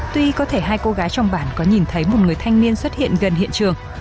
tuy có thể hai cô gái trong bản có nhìn thấy một người thanh niên xuất hiện gần hiện trường